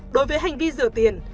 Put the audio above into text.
đối với hành vi rửa tiền